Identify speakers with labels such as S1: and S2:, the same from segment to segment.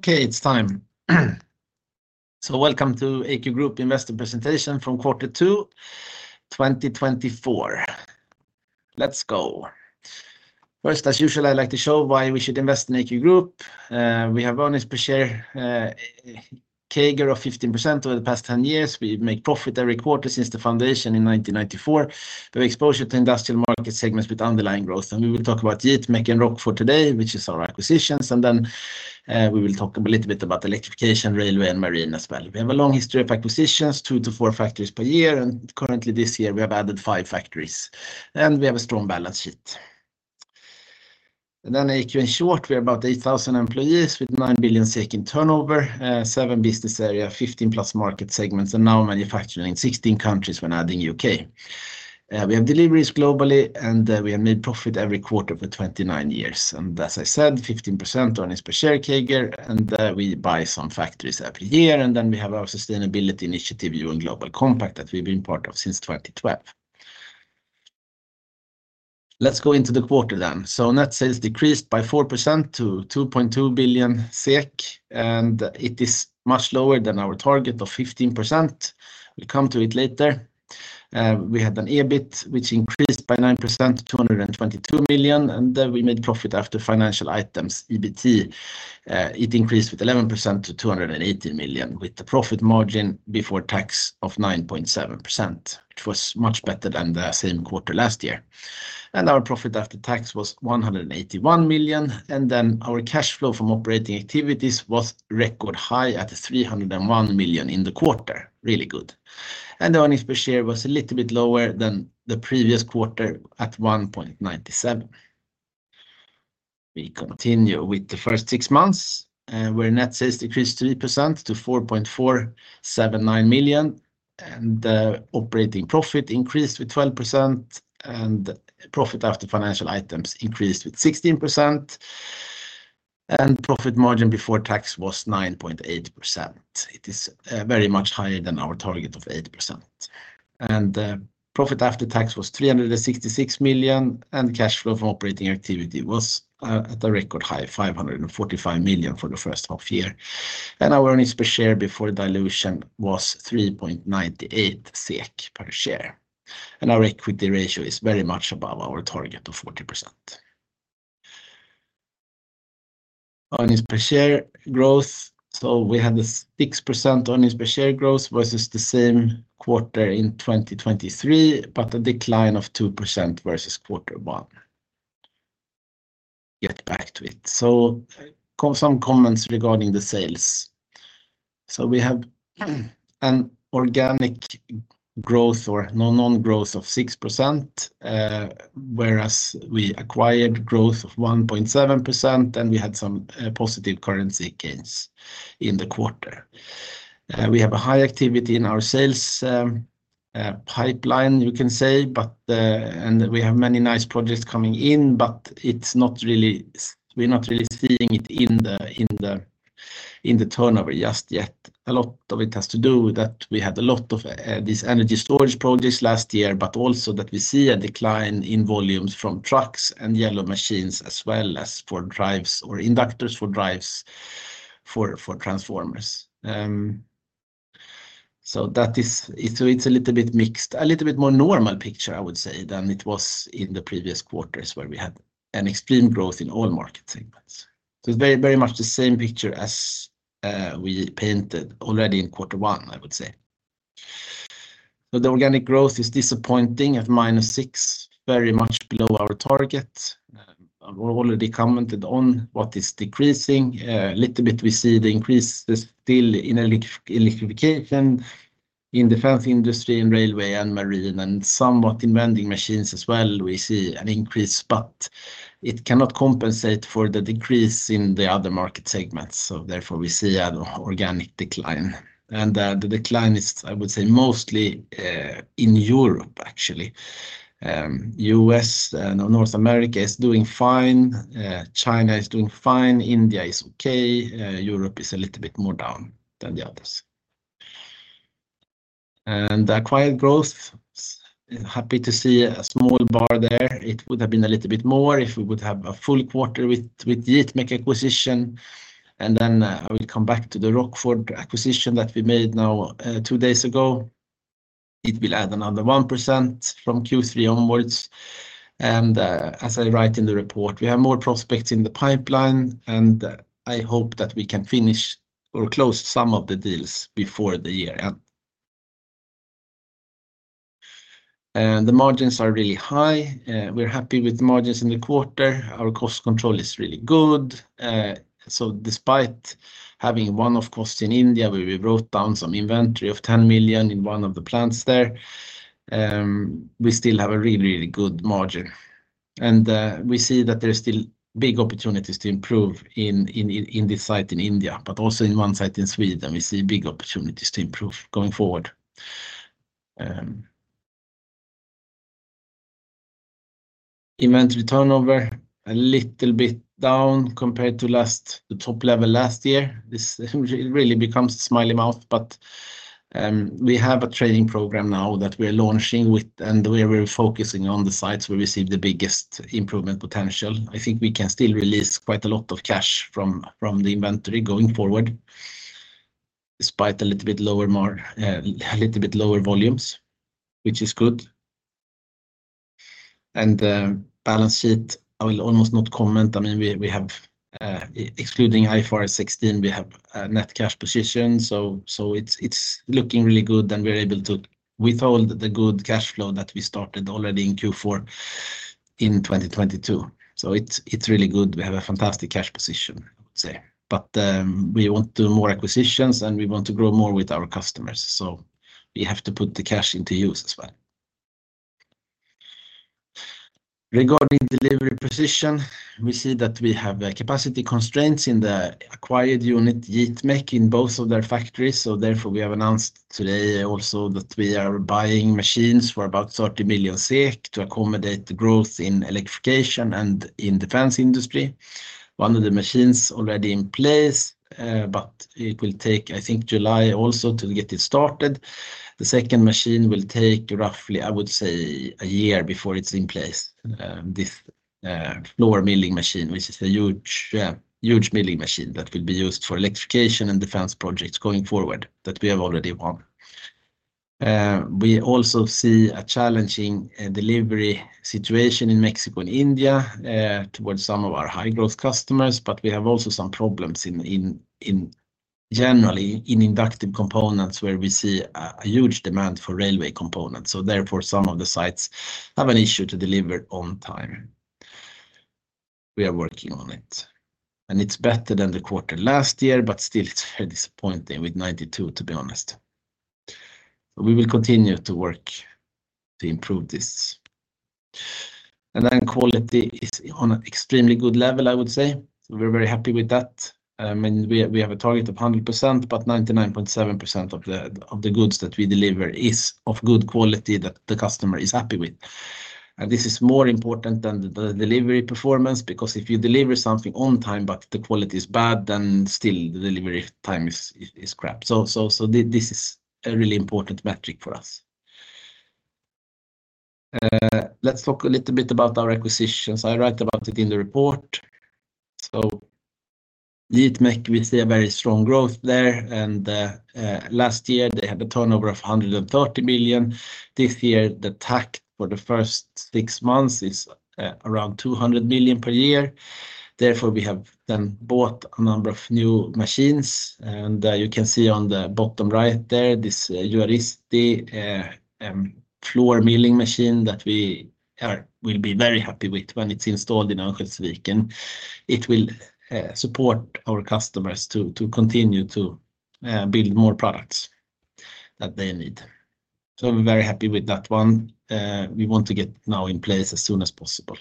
S1: Okay, it's time. Welcome to AQ Group Investor Presentation from quarter two 2024. Let's go. First, as usual, I'd like to show why we should invest in AQ Group. We have earnings per share CAGR of 15% over the past 10 years. We make profit every quarter since the foundation in 1994. We have exposure to industrial market segments with underlying growth. We will talk about Jit Mech, and Rockford today, which is our acquisitions, and then we will talk a little bit about electrification, railway, and marine as well. We have a long history of acquisitions, two-four factories per year, and currently this year we have added five factories, and we have a strong balance sheet. Then AQ, in short, we are about 8,000 employees with 9 billion in turnover, seven business area, 15+ market segments, and now manufacturing in 16 countries when adding UK. We have deliveries globally, and, we have made profit every quarter for 29 years. And as I said, 15% earnings per share CAGR, and, we buy some factories every year. And then we have our sustainability initiative, UN Global Compact, that we've been part of since 2012. Let's go into the quarter then. Net sales decreased by 4% to 2.2 billion SEK, and it is much lower than our target of 15%. We'll come to it later. We had an EBIT, which increased by 9% to 222 million, and then we made profit after financial items, EBT. It increased with 11% to 280 million, with the profit margin before tax of 9.7%, which was much better than the same quarter last year. Our profit after tax was 181 million, and then our cash flow from operating activities was record high at 301 million in the quarter. Really good. The earnings per share was a little bit lower than the previous quarter at 1.97. We continue with the first six months, where net sales decreased 3% to 4,479 million, and operating profit increased with 12%, and profit after financial items increased with 16%, and profit margin before tax was 9.8%. It is very much higher than our target of 8%. Profit after tax was 366 million, and cash flow from operating activity was at a record high of 545 million for the first half year. Our earnings per share before dilution was 3.98 SEK per share, and our equity ratio is very much above our target of 40%. Earnings per share growth. We had a 6% earnings per share growth versus the same quarter in 2023, but a decline of 2% versus quarter one. Get back to it. Some comments regarding the sales. We have an organic growth or non-growth of 6%, whereas we acquired growth of 1.7%, and we had some positive currency gains in the quarter. We have a high activity in our sales pipeline, you can say, but and we have many nice projects coming in, but it's not really, we're not really seeing it in the turnover just yet. A lot of it has to do with that we had a lot of these energy storage projects last year, but also that we see a decline in volumes from trucks and yellow machines as well as for drives or inductors for drives for transformers. So that is... It's a little bit mixed, a little bit more normal picture, I would say, than it was in the previous quarters, where we had an extreme growth in all market segments. So it's very, very much the same picture as we painted already in quarter one, I would say. So the organic growth is disappointing at -6%, very much below our target. I've already commented on what is decreasing. A little bit, we see the increase still in electrification, in the defense industry, in railway and marine, and somewhat in vending machines as well, we see an increase, but it cannot compensate for the decrease in the other market segments. So therefore, we see an organic decline. And, the decline is, I would say, mostly, in Europe, actually. U.S., no, North America is doing fine, China is doing fine, India is okay, Europe is a little bit more down than the others. And acquired growth, happy to see a small bar there. It would have been a little bit more if we would have a full quarter with the Jit Mech acquisition. Then, I will come back to the Rockford acquisition that we made now, two days ago. It will add another 1% from Q3 onwards, and, as I write in the report, we have more prospects in the pipeline, and I hope that we can finish or close some of the deals before the year end. The margins are really high. We're happy with the margins in the quarter. Our cost control is really good. So despite having one-off costs in India, where we wrote down some inventory of 10 million in one of the plants there, we still have a really, really good margin. And, we see that there are still big opportunities to improve in this site in India, but also in one site in Sweden, we see big opportunities to improve going forward. Inventory turnover, a little bit down compared to last, the top level last year. This really becomes a smiley mouth, but. We have a training program now that we are launching with, and we are very focusing on the sites where we see the biggest improvement potential. I think we can still release quite a lot of cash from the inventory going forward, despite a little bit lower volumes, which is good. And the balance sheet, I will almost not comment. I mean, we have, excluding IFRS 16, we have a net cash position, so it's looking really good, and we're able to withhold the good cash flow that we started already in Q4 in 2022. So it's really good. We have a fantastic cash position, I would say. But, we want do more acquisitions, and we want to grow more with our customers, so we have to put the cash into use as well. Regarding delivery position, we see that we have capacity constraints in the acquired unit, Jit Mech, in both of their factories. So therefore, we have announced today also that we are buying machines for about 30 million SEK to accommodate the growth in electrification and in defense industry. One of the machines already in place, but it will take, I think, July also to get it started. The second machine will take roughly, I would say, a year before it's in place. This floor milling machine, which is a huge, huge milling machine that will be used for electrification and defense projects going forward that we have already won. We also see a challenging delivery situation in Mexico and India towards some of our high-growth customers, but we have also some problems generally in inductive components, where we see a huge demand for railway components. So therefore, some of the sites have an issue to deliver on time. We are working on it, and it's better than the quarter last year, but still it's very disappointing with 92, to be honest. We will continue to work to improve this. And then quality is on an extremely good level, I would say. We're very happy with that. And we have a target of 100%, but 99.7% of the goods that we deliver is of good quality that the customer is happy with. This is more important than the delivery performance because if you deliver something on time but the quality is bad, then still the delivery time is crap. So this is a really important metric for us. Let's talk a little bit about our acquisitions. I write about it in the report. So Jit Mech, we see a very strong growth there, and last year they had a turnover of 130 million. This year, the target for the first six months is around 200 million per year. Therefore, we have then bought a number of new machines, and you can see on the bottom right there, this Juaristi floor milling machine that we will be very happy with when it's installed in Örviken. It will support our customers to continue to build more products that they need. So I'm very happy with that one. We want to get now in place as soon as possible.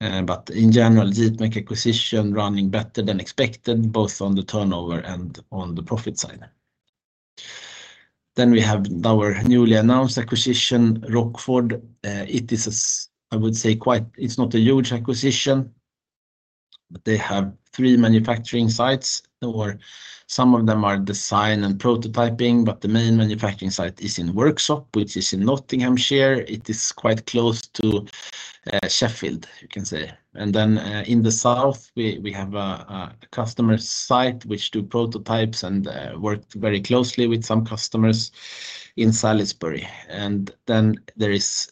S1: But in general, Jit Mech acquisition running better than expected, both on the turnover and on the profit side. Then we have our newly announced acquisition, Rockford. It is a s—I would say, quite. It's not a huge acquisition, but they have three manufacturing sites, or some of them are design and prototyping, but the main manufacturing site is in Worksop, which is in Nottinghamshire. It is quite close to Sheffield, you can say. And then in the south, we have a customer site which do prototypes and worked very closely with some customers in Salisbury. And then there is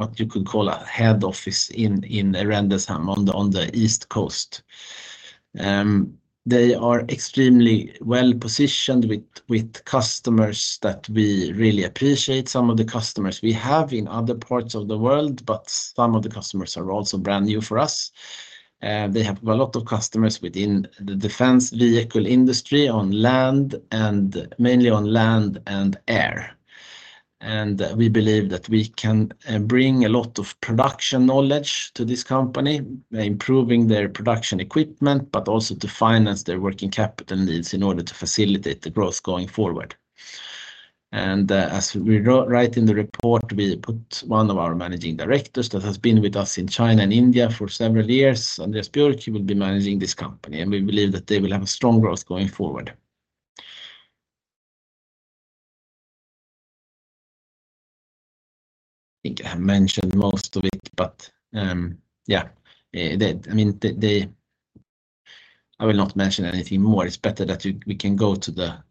S1: what you could call a head office in Rendlesham on the east coast. They are extremely well-positioned with customers that we really appreciate, some of the customers we have in other parts of the world, but some of the customers are also brand new for us. They have a lot of customers within the defense vehicle industry, on land and mainly on land and air. And we believe that we can bring a lot of production knowledge to this company, improving their production equipment, but also to finance their working capital needs in order to facilitate the growth going forward. As we write in the report, we put one of our managing directors that has been with us in China and India for several years, and he will be managing this company, and we believe that they will have a strong growth going forward. I think I have mentioned most of it, but, I mean, I will not mention anything more. It's better that we can go to the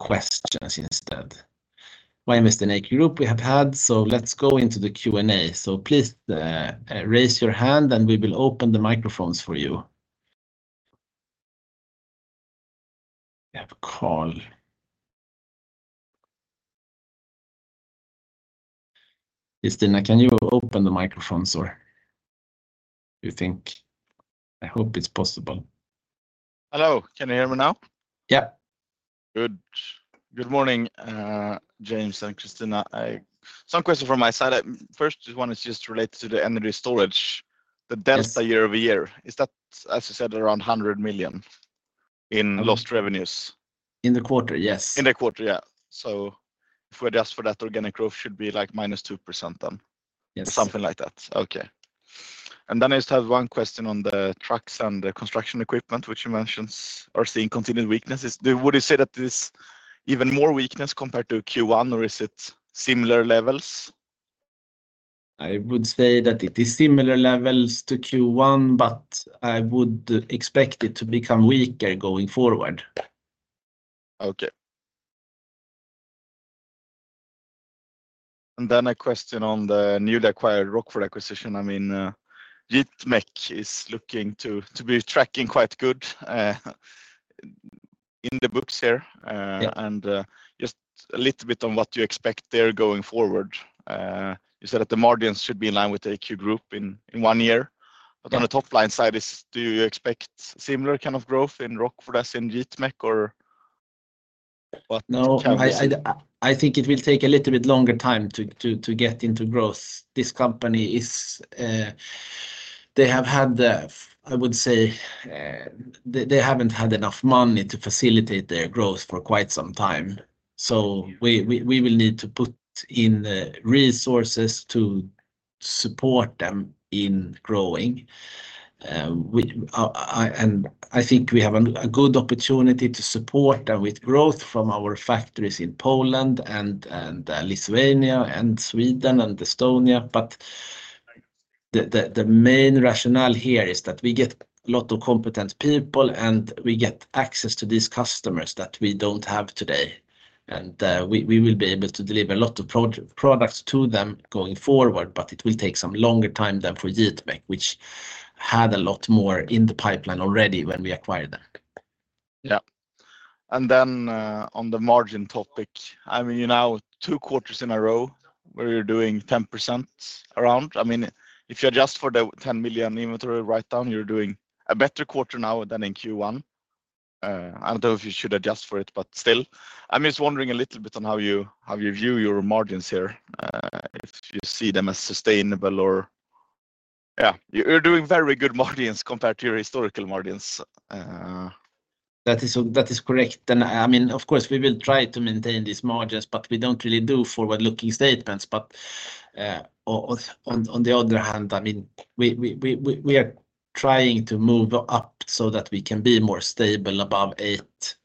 S1: questions instead. With AQ Group, we have had, so let's go into the Q&A. So please, raise your hand, and we will open the microphones for you. We have a call. Christina, can you open the microphones or you think... I hope it's possible.
S2: Hello, can you hear me now?
S1: Yeah.
S2: Good. Good morning, James and Christina. I, some questions from my side. First one is just related to the energy storage.
S1: Yes.
S2: The delta year-over-year, is that, as you said, around 100 million in lost revenues?
S1: In the quarter, yes.
S2: In the quarter, yeah. If we adjust for that organic growth should be like -2% then?
S1: Yes.
S2: Something like that. Okay. And then I just have one question on the trucks and the construction equipment, which you mentioned are seeing continued weaknesses. Would you say that this even more weakness compared to Q1, or is it similar levels?
S1: I would say that it is similar levels to Q1, but I would expect it to become weaker going forward.
S2: Okay. And then a question on the newly acquired Rockford acquisition. I mean, Jit Mech is looking to be tracking quite good, in the books here.
S1: Yeah.
S2: Just a little bit on what you expect there going forward. You said that the margins should be in line with the AQ Group in one year.
S1: Yeah.
S2: On the top line side, do you expect similar kind of growth in Rockford as in Jit Mech or what?
S1: No, I think it will take a little bit longer time to get into growth. This company is, they have had, I would say, they haven't had enough money to facilitate their growth for quite some time. So we will need to put in the resources to support them in growing. We, I think we have a good opportunity to support them with growth from our factories in Poland and Lithuania and Sweden and Estonia. But the main rationale here is that we get a lot of competent people, and we get access to these customers that we don't have today. We will be able to deliver a lot of products to them going forward, but it will take some longer time than for Jit Mech, which had a lot more in the pipeline already when we acquired them.
S2: Yeah. And then, on the margin topic, I mean, you're now two quarters in a row where you're doing 10% around. I mean, if you adjust for the 10 million inventory write-down, you're doing a better quarter now than in Q1. I don't know if you should adjust for it, but still, I'm just wondering a little bit on how you, how you view your margins here, if you see them as sustainable or... Yeah, you're doing very good margins compared to your historical margins,
S1: That is correct. I mean, of course, we will try to maintain these margins, but we don't really do forward-looking statements. But on the other hand, I mean, we are trying to move up so that we can be more stable above 8%,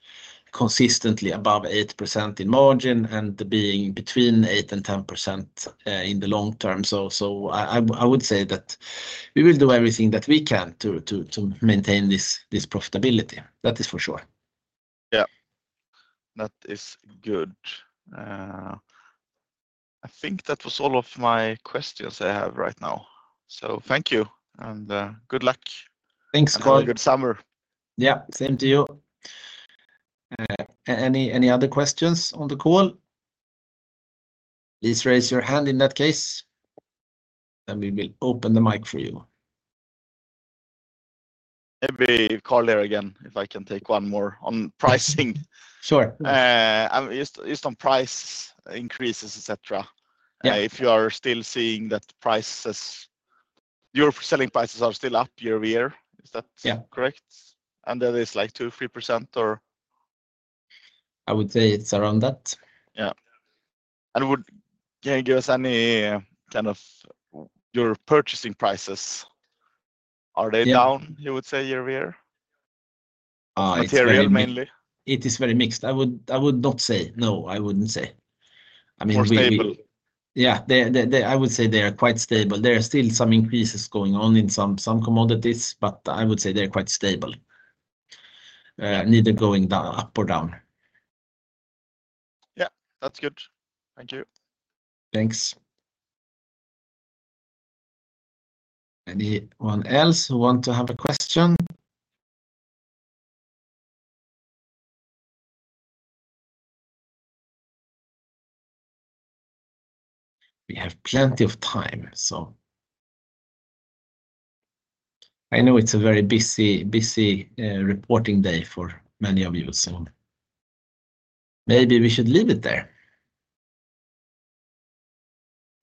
S1: consistently above 8% in margin and being between 8% and 10%, in the long term. So I would say that we will do everything that we can to maintain this profitability. That is for sure.
S2: Yeah. That is good. I think that was all of my questions I have right now, so thank you, and good luck.
S1: Thanks, Carl.
S2: Have a good summer.
S1: Yeah, same to you. Any other questions on the call? Please raise your hand in that case, and we will open the mic for you.
S2: Maybe, Carl, here again, if I can take one more on pricing.
S1: Sure.
S2: I'm just on price increases, et cetera.
S1: Yeah.
S2: If you are still seeing that your selling prices are still up year-over-year, is that-
S1: Yeah...
S2: correct? And that is like 2-3% or?
S1: I would say it's around that.
S2: Yeah. Would you give us any kind of your purchasing prices?
S1: Yeah.
S2: Are they down, you would say, year-over-year?
S1: It's very-
S2: Material, mainly.
S1: It is very mixed. I would not say, no, I wouldn't say. I mean, we-
S2: More stable?
S1: Yeah, I would say they are quite stable. There are still some increases going on in some commodities, but I would say they're quite stable, neither going up or down.
S2: Yeah, that's good. Thank you.
S1: Thanks. Anyone else who want to have a question? We have plenty of time, so... I know it's a very busy, busy reporting day for many of you, so maybe we should leave it there.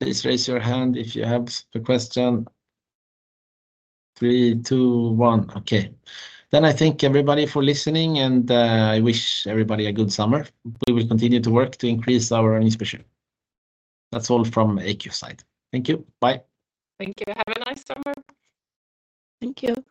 S1: Please raise your hand if you have a question. three, two, one. Okay. Then I thank everybody for listening, and I wish everybody a good summer. We will continue to work to increase our earnings per share. That's all from AQ side. Thank you. Bye.
S2: Thank you. Have a nice summer. Thank you.